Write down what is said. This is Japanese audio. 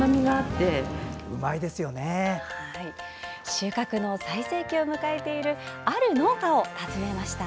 収穫の最盛期を迎えているある農家を訪ねました。